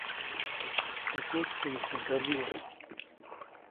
Teʼ kuʼtkuʼyäjte ŋgämidubä.